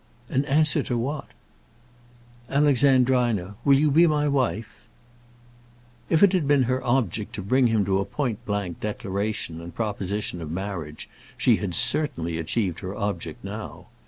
"An answer to what?" "Alexandrina, will you be my wife?" If it had been her object to bring him to a point blank declaration and proposition of marriage, she had certainly achieved her object now.